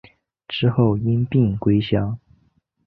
之后因病归乡。